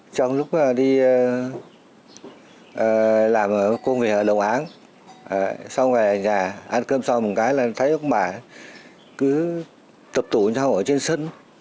trong lúc đi làm công việc ở đồng áng xong về nhà ăn cơm xong một cái là thấy ông bà cứ tập tụ nhau ở trên sân